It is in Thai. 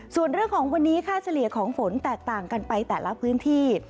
ส่วนเรื่องของวันนี้ค่าเฉลี่ยของฝนแตกต่างกันไปแต่ละพื้นที่